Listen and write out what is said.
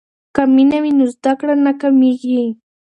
که مینه وي نو زده کړه نه کمیږي.